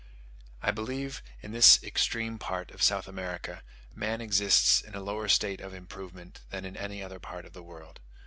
I believe, in this extreme part of South America, man exists in a lower state of improvement than in any other part of the world.